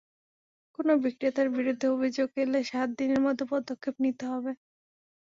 কোনো বিক্রেতার বিরুদ্ধে অভিযোগ এলে সাত দিনের মধ্যে পদক্ষেপ নিতে হবে।